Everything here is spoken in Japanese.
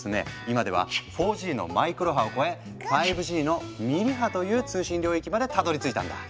今では４Ｇの「マイクロ波」を超え５Ｇの「ミリ波」という通信領域までたどりついたんだ。